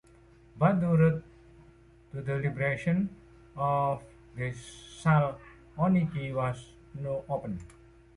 But the road to the liberation of Thessaloniki was now open.